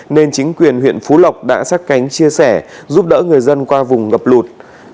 nên chính quyền huyện phú lộc đã sát cánh chia sẻ giúp đỡ người dân qua vùng ngập lụt